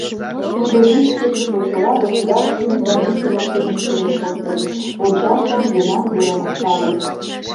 Тудо вич кече почела государственный граница воктен эскерен коштын, вончашлан йӧнан верым кычалын.